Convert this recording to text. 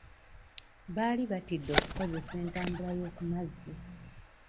Baali batidde okukozesa entambula y'oku mazzi.